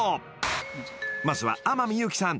［まずは天海祐希さん］